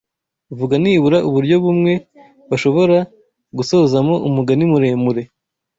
Vuga nibura uburyo bumwe bashobora gusozamo umugani muremure